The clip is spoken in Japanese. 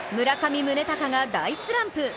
村上宗隆が大スランプ。